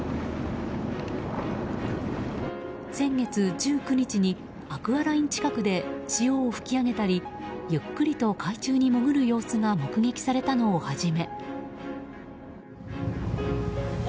先月１９日にアクアライン近くで塩を噴き上げたりゆっくりと海中に潜る様子が目撃されたのをはじめ。